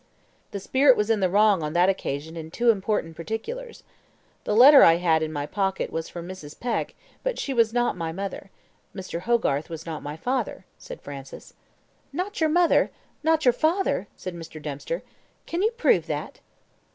"The spirit was in the wrong on that occasion in two important particulars. The letter I had in my pocket was from Mrs. Peck, but she was not my mother; Mr. Hogarth was not my father," said Francis. "Not your mother! not your father!" said Mr. Dempster; "can you prove that?"